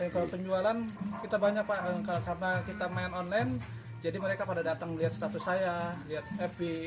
kalau penjualan kita banyak pak karena kita main online jadi mereka pada datang lihat status saya lihat happy